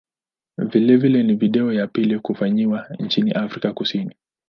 Vilevile ni video ya pili kufanyiwa nchini Afrika Kusini.